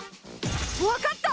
わかった！